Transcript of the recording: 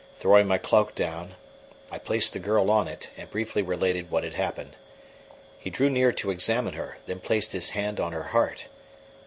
Throwing my cloak down, I placed the girl on it and briefly related what had happened. He drew near to examine her; then placed his hand on her heart.